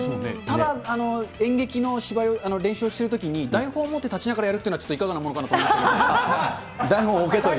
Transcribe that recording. ただ、演劇の芝居を、練習しているときに、台本持って立ちながらやるっていうのはちょっといかがなものかな台本置けという。